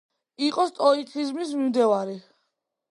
იყო სტოიციზმის მიმდევარი.